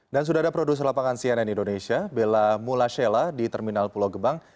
dan sudah ada produser lapangan cnn indonesia bella mulasela di terminal pulau gebang